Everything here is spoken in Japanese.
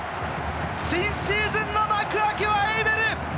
新シーズンの幕開けはエウベル！